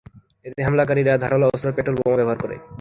এতে হামলাকারীরা ধারালো অস্ত্র, পেট্রোল বোমা ব্যবহার করে।